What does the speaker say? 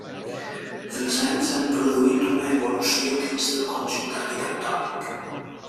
Els anys han produït una evolució dins del conjunt arquitectònic.